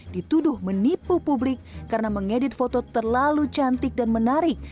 dituduh menipu publik karena mengedit foto terlalu cantik dan menarik